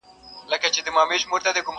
په جرګو کي به ګرېوان ورته څیرمه!.